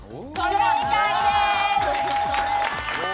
正解です。